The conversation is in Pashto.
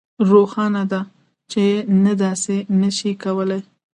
روښانه ده چې نه داسې نشئ کولی